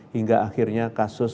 hingga akhirnya kasus